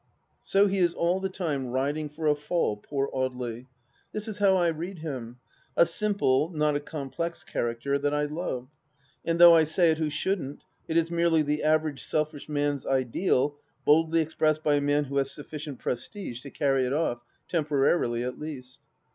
So he is all the time riding for a fall, poor Audely 1 This is how I read him — a simple, not a complex character, that I love. And though I say it who shouldn't, it is merely the average selfish man's ideal, boldly expressed by a man who has sufficient prestige to carry it off — ^temporarily, at least.